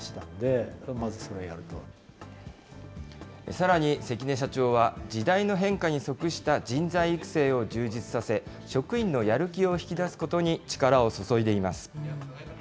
さらに関根社長は、時代の変化に即した人材育成を充実させ、職員のやる気を引き出すことに力を注いでいます。